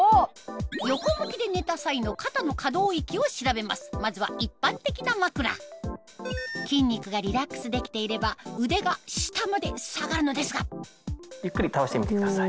横向きで寝た際のまずは一般的な枕筋肉がリラックスできていれば腕が下まで下がるのですがゆっくり倒してみてください。